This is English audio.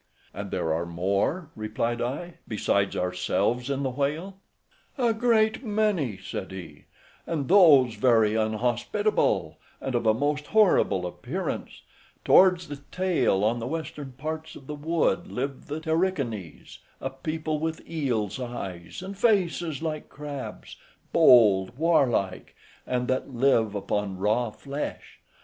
"And are there more," replied I, "besides ourselves in the whale?" "A great many," said he, "and those very unhospitable, and of a most horrible appearance: towards the tail, on the western parts of the wood, live the Tarichanes, {104a} a people with eel's eyes, and faces like crabs, bold, warlike, and that live upon raw flesh.